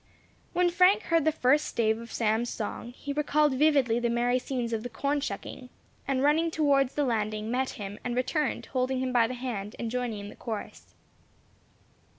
When Frank heard the first stave of Sam's song, he recalled vividly the merry scenes of the corn shucking, and running towards the landing, met him, and returned, holding him by the hand, and joining in the chorus.